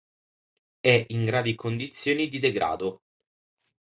È in gravi condizioni di degrado.